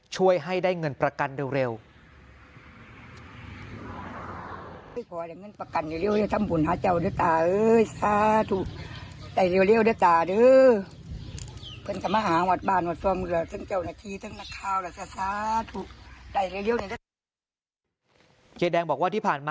ช่วยให้ได้เงินประกันเร็ว